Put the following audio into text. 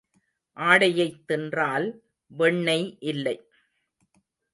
ஆடையைத் தின்றால் வெண்ணெய் இல்லை.